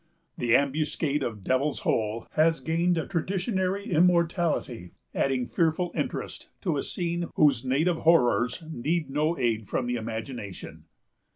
The ambuscade of the Devil's Hole has gained a traditionary immortality, adding fearful interest to a scene whose native horrors need no aid from the imagination.